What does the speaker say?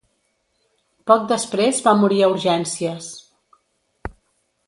Poc després va morir a urgències.